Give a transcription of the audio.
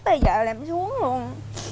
bây giờ em xuống luôn